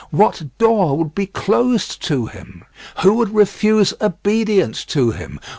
What door would be closed to him? Who would refuse obedience to him?